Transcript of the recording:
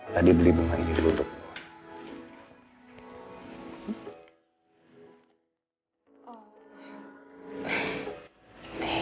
tadi beli bunga ini dulu untuk